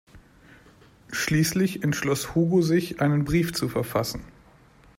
Schließlich entschloss Hugo sich, einen Brief zu verfassen.